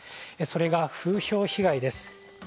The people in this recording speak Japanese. それが、風評被害です。